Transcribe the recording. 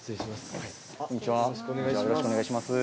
よろしくお願いします。